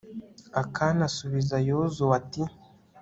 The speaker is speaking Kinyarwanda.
akani asubiza yozuwe, ati